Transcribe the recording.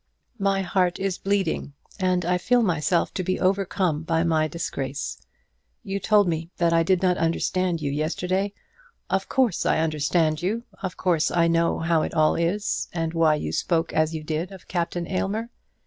My heart is bleeding, and I feel myself to be overcome by my disgrace. You told me that I did not understand you yesterday. Of course I understood you. Of course I know how it all is, and why you spoke as you did of Captain Aylmer.